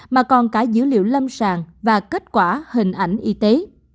mà còn cả dữ liệu lâm sàng và kết quả hình ảnh y tế